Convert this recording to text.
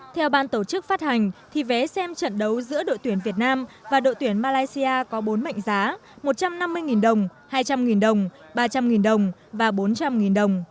theo ban tổ chức phát hành thì vé xem trận đấu giữa đội tuyển việt nam và đội tuyển malaysia có bốn mệnh giá một trăm năm mươi đồng hai trăm linh đồng ba trăm linh đồng và bốn trăm linh đồng